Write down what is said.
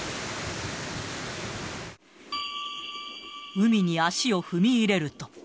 海に足を踏み入れると。